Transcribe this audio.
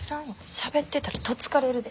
しゃべってたらどつかれるで。